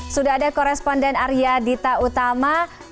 sudah ada koresponden arya dita utama